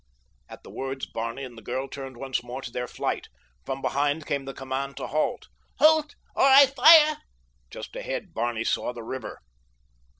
At the words Barney and the girl turned once more to their flight. From behind came the command to halt—"Halt! or I fire." Just ahead Barney saw the river.